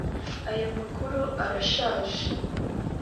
Aya makuru arashajeeee